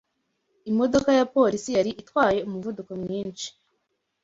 Imodoka ya polisi yari itwaye umuvuduko mwinshi.